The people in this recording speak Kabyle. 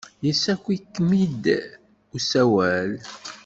Yessaki-kem-id usawal?